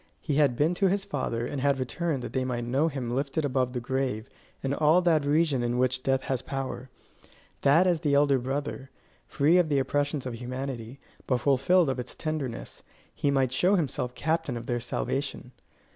He had been to his Father, and had returned that they might know him lifted above the grave and all that region in which death has power; that as the elder brother, free of the oppressions of humanity, but fulfilled of its tenderness, he might show himself captain of their salvation.